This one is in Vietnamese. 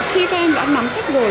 khi các em đã nắm chắc rồi